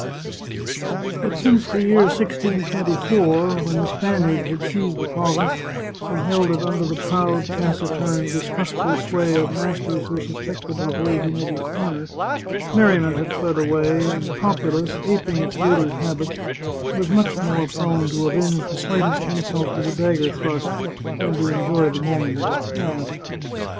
But since the year 1624, when the Spaniards had seized the province, and held it under the proud, taciturn, distrustful sway of masters who suspected revolt in every corner, merriment had fled away, and the populace, aping its rulers' habits, was much more prone to avenge the slightest insult with a dagger thrust, than to enjoy the moment as it passed.